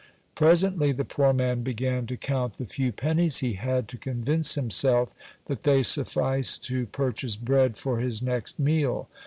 Presently the poor man began to count the few pennies he had, to convince himself that they sufficed to purchase bread for his next meal.